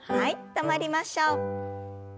止まりましょう。